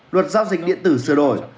luật giao dịch điện tử sửa đổi